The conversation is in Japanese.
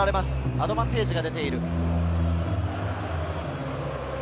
アドバンテージが出ている。